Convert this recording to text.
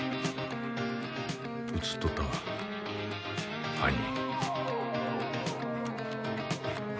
映っとったわ犯人。